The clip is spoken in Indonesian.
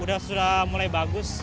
udah sudah mulai bagus